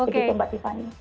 begitu mbak tiffany